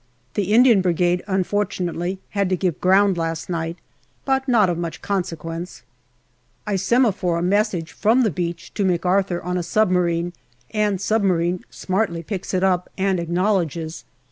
The Indian Brigade unfortunately had to give ground last night, but not of much consequence. I semaphore a message from the beach to McArthur on a submarine, and submarine smartly picks it up and acknowledges.